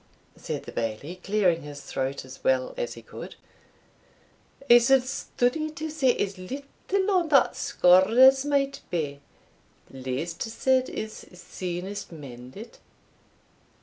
"Uh! uh! hem! hem!" said the Bailie, clearing his throat as well as he could, "I suld study to say as little on that score as might be least said is sunest mended."